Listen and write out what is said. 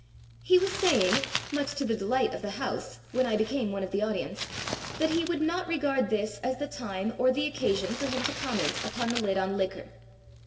He was saying (much to the delight of the house) when I became one of the audience, that he would "not re gard this as the time or the occasion for him to conmient upon the lid on liquor".